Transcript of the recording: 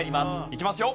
いきますよ。